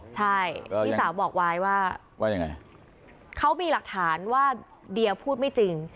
ใช่พี่สาวบอกวายว่าเขามีหลักฐานว่าเดียพูดไม่จริง